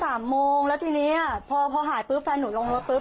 ตอน๓โมงแล้วทีนี้พอหายปุ๊บแฟนหนูลงรถปุ๊บ